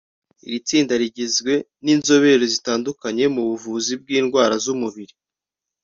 Iri tsinda rigizwe n’inzobere zitandukanye mu buvuzi bw’indwara z’umubiri